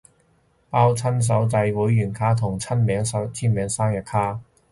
包親手製會員卡同親筆簽名生日卡